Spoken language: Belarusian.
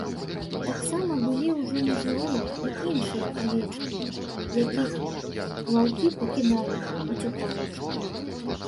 Таксама былі ўжо нежывыя і іншыя авечкі, якіх ваўкі пакідалі, уцякаючы.